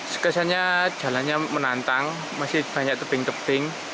sekesanya jalannya menjadi menantang masih banyak teping teping